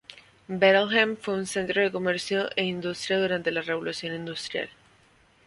Bethlehem fue un centro de comercio e industria durante la Revolución Industrial.